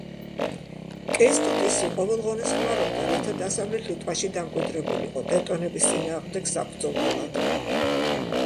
კეისტუტისი ყოველ ღონეს ხმარობდა, რათა დასავლეთ ლიტვაში დამკვიდრებულიყო, ტევტონების წინააღმდეგ საბრძოლველად.